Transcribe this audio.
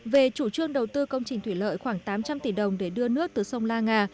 về chủ trương đầu tư công trình thủy lợi khoảng tám trăm linh tỷ đồng để đưa nước từ sông la nga